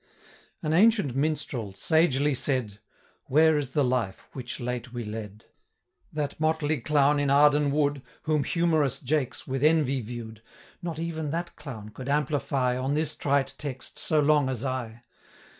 An ancient Minstrel sagely said, 'Where is the life which late we led?' That motley clown in Arden wood, Whom humorous Jacques with envy view'd, Not even that clown could amplify, 5 On this trite text, so long as I.